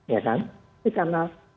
ya kan ini karena